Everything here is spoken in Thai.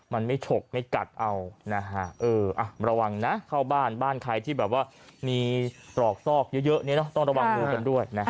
มันไม่ฉกไม่กัดเอานะฮะระวังนะเข้าบ้านบ้านใครที่แบบว่ามีตรอกซอกเยอะต้องระวังงูกันด้วยนะฮะ